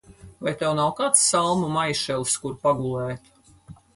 Vai tev nav kāds salmu maišelis, kur pagulēt?